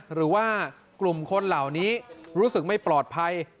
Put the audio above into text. หรือว่ากลุ่มคนเหล่านี้รู้สึกไม่ปลอดภัย